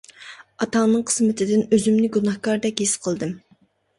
ئاتاڭنىڭ قىسمىتىدىن ئۆزۈمنى گۇناھكاردەك ھېس قىلدىم.